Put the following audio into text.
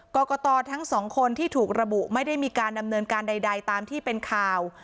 กรกตทั้งสองคนที่ถูกระบุไม่ได้มีการดำเนินการใดตามที่เป็นข่าว